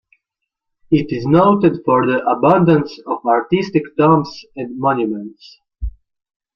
It is noted for the abundance of artistic tombs and monuments.